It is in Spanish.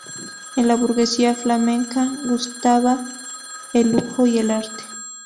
En la burguesía flamenca gustaba el lujo y el arte.